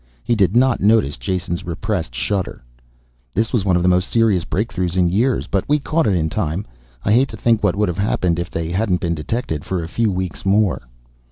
He did not notice Jason's repressed shudder. "This was one of the most serious breakthroughs in years, but we caught it in time. I hate to think what would have happened if they hadn't been detected for a few weeks more."